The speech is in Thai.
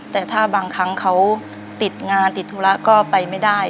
แต่ถ้าบางครั้งเขาติดงานติดธุระก็ไปไม่ได้